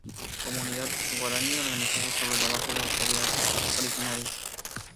Comunidad Guaraní organizada sobre la base de autoridades originarias.